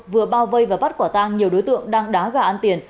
vừa bao vây và bắt quả tang nhiều đối tượng đang đá gà ăn tiền